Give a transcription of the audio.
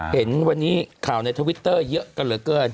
เห็นวันนี้ข่าวในทวิตเตอร์เยอะกันเหลือเกิน